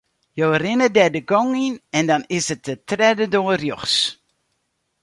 Jo rinne dêr de gong yn en dan is it de tredde doar rjochts.